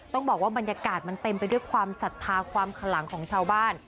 ต้องบอกว่าบรรยากาศมันเต็มไปด้วยความศรัทธาความขลังของชาวบ้าน